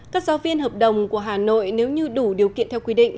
các giáo viên hợp đồng của hà nội nếu như đủ điều kiện theo quy định